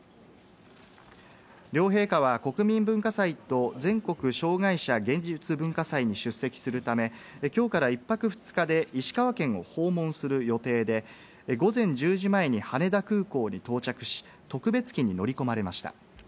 両陛下は国民文化祭と全国障害者芸術・文化祭に出席するため、きょうから１泊２日で石川県を訪問する予定で、午前１０時前に羽田空港に到着し、特別機に乗り込まれました。